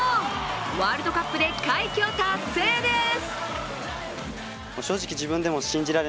ワールドカップで快挙達成です。